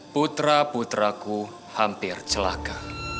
putra putraku hampir celaka